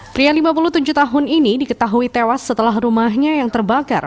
pria lima puluh tujuh tahun ini diketahui tewas setelah rumahnya yang terbakar